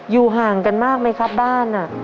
อยู่ห่างกันมากไหมครับบ้าน